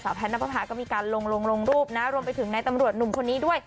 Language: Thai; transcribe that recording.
แพทย์นับประพาก็มีการลงลงรูปนะรวมไปถึงในตำรวจหนุ่มคนนี้ด้วย